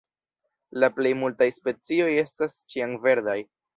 La plej multaj specioj estas ĉiamverdaj.